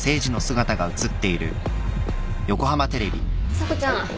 査子ちゃん。